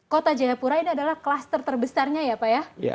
kota jayapura ini adalah klaster terbesarnya ya pak ya